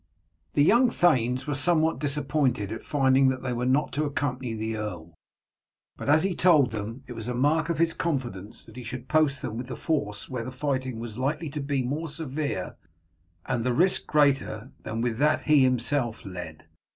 The young thanes were somewhat disappointed at finding that they were not to accompany the earl, but, as he told them, it was a mark of his confidence that he should post them with the force where the fighting was likely to be more severe and the risk greater than with that he himself led.